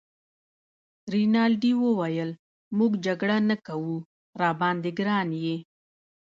رینالډي وویل: موږ جګړه نه کوو، راباندي ګران يې.